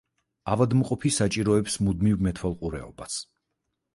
ავადმყოფი საჭიროებს მუდმივ მეთვალყურეობას.